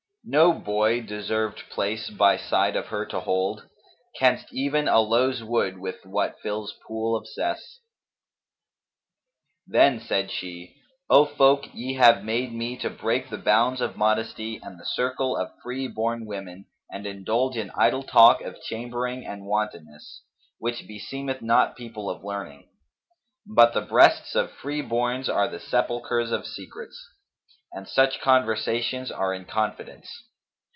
No boy deserved place by side of her to hold; * Canst even aloes wood with what fills pool of cess!'[FN#249] Then said she, 'O folk ye have made me to break the bounds of modesty and the circle of free born women and indulge in idle talk of chambering and wantonness, which beseemeth not people of learning. But the breasts of free borns are the sepulchres of secrets' and such conversations are in confidence.